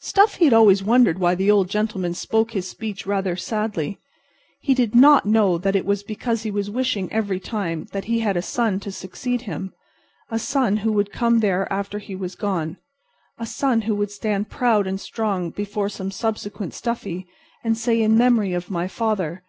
Stuffy had always wondered why the Old Gentleman spoke his speech rather sadly. He did not know that it was because he was wishing every time that he had a son to succeed him. A son who would come there after he was gone—a son who would stand proud and strong before some subsequent Stuffy, and say: "In memory of my father."